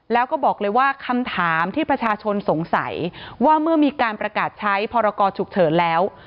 แล้วก็บอกเลยว่าคำถามที่ประชาชนสงสัยว่าเมื่อมีการประกาศใช้พรกรฉุกเฉินแล้ว